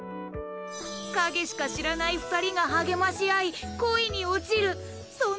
影しか知らない二人が励まし合い恋に落ちるそんなお話です。